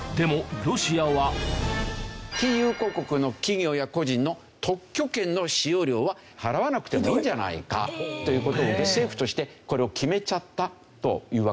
非友好国の企業や個人の特許権の使用料は払わなくてもいいんじゃないかという事を政府としてこれを決めちゃったというわけですね。